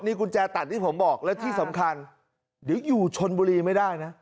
นี่กุญแจตัดที่ผมบอกเดี๋ยวอยู่ชนบุรีไม่ได้นะ